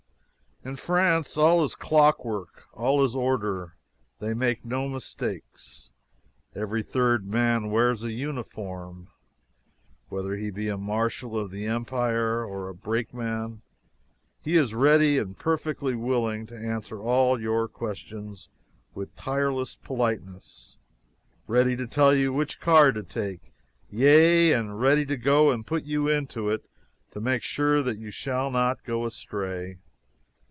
In France, all is clockwork, all is order. They make no mistakes. Every third man wears a uniform, and whether he be a marshal of the empire or a brakeman, he is ready and perfectly willing to answer all your questions with tireless politeness, ready to tell you which car to take, yea, and ready to go and put you into it to make sure that you shall not go astray.